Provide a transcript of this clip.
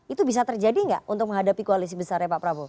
itu bisa terjadi nggak untuk menghadapi koalisi besarnya pak prabowo